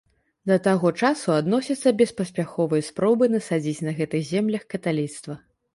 Да таго часу адносяцца беспаспяховыя спробы насадзіць на гэтых землях каталіцтва.